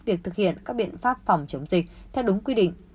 việc thực hiện các biện pháp phòng chống dịch theo đúng quy định